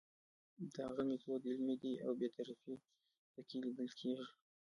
د هغه میتود علمي دی او بې طرفي پکې لیدل کیږي.